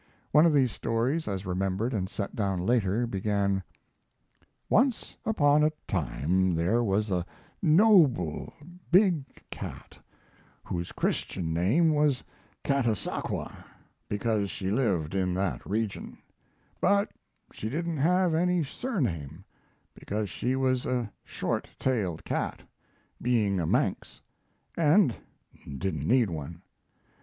One of these stories, as remembered and set down later, began: Once upon a time there was a noble, big cat whose christian name was Catasaqua, because she lived in that region; but she didn't have any surname, because she was a short tailed cat, being a manx, and didn't need one.